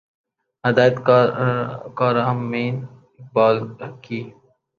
ہدایت کار امین اقبال کی